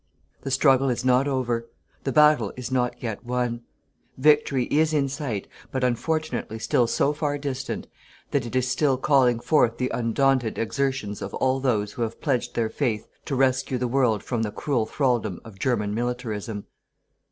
The struggle is not over. The battle is not yet won. Victory is in sight but unfortunately still so far distant, that it is still calling forth the undaunted exertions of all those who have pledged their faith to rescue the world from the cruel thraldom of German militarism.